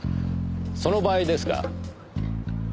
その場合ですが。